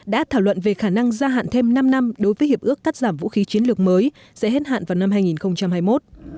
đã thảo luận về khả năng gia hạn thêm năm năm đối với hiệp ước cắt giảm vũ khí chiến lược mới sẽ hết hạn vào năm hai nghìn hai mươi một